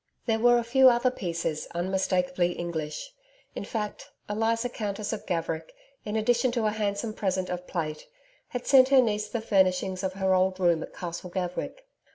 There were a few other pieces unmistakable English. In fact, Eliza Countess of Gaverick, in addition to a handsome present of plate, had sent her niece the furnishings of her old room at Castle Gaverick.